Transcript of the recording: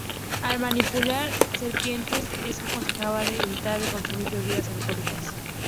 Al manipular serpientes es aconsejable de evitar de consumir bebidas alcohólicas.